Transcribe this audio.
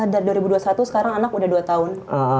dari dua ribu dua puluh satu sekarang anak udah dua tahun